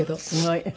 すごい。